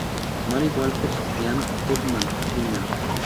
Mary Walcott y Ann Putnam, Jr.